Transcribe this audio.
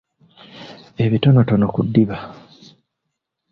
Ebitonotono ku ddiba.